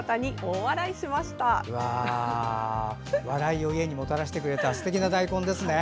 笑いを家にもたらしてくれたすてきな大根ですね。